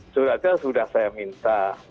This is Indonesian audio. suratnya sudah saya minta